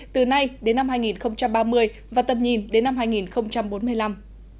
từ nay đến năm hai nghìn ba mươi và tầm nhìn đến năm hai nghìn bốn mươi năm